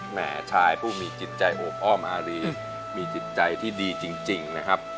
แม่ชายผู้มีจิตใจโหอ้อมอารีมีจิตใจที่ดีจริงนะครับ